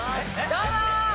どうも！